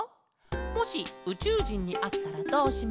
「もしうちゅうじんにあったらどうしますか？」。